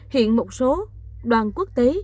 hiện một số đoàn quốc tế